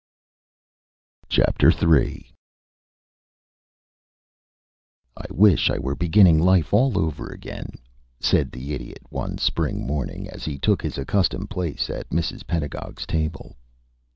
III "I wish I were beginning life all over again," said the Idiot one spring morning, as he took his accustomed place at Mrs. Pedagog's table.